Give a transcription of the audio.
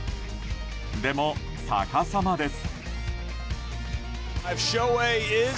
でも、逆さまです。